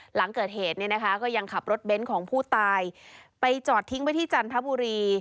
หลังเกิดเหตุเนี่ยนะคะก็ยังขับรถเบนท์ของผู้ตายไปจอดทิ้งไว้ที่จันทบุรี